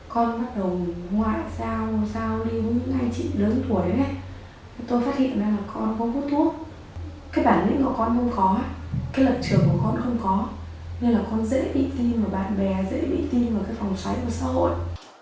con bắt đầu ngoại sao sao đi